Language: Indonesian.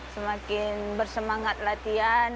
semakin bersemangat latihan